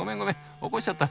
起こしちゃった！